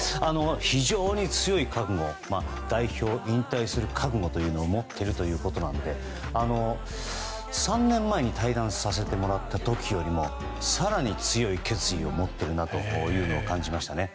非常に強い覚悟代表を引退する覚悟を持っているということなので３年前に対談させてもらった時よりも更に強い決意を持っているなと感じましたね。